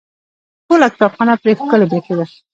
ټوله کتابخانه پرې ښکلې برېښېده.